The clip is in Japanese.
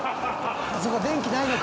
「そっか電気ないのか」